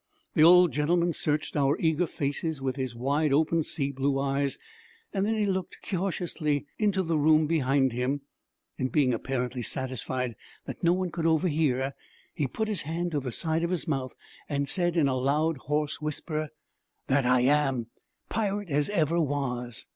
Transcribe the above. The old gentleman searched our eager faces with his wide open, sea blue eyes; then he looked cautiously into the room behind him, and, being apparently satisfied that no one could overhear, he put his hand to the side of his mouth, and said in a loud, hoarse whisper, 'That I am. Pirate as ever was!'